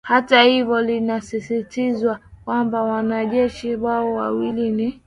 hata hivyo linasisitiza kwamba wanajeshi hao wawili ni